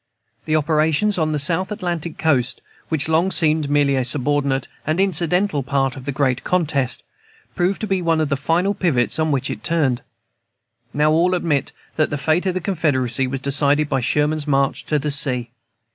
The operations on the South Atlantic coast, which long seemed a merely subordinate and incidental part of the great contest, proved to be one of the final pivots on which it turned. All now admit that the fate of the Confederacy was decided by Sherman's march to the sea.